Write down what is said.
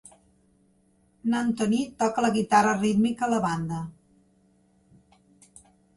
N'Antony toca la guitarra rítmica a la banda.